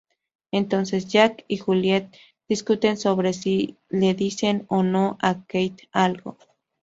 Entonces Jack y Juliet discuten sobre si le dicen o no a Kate algo.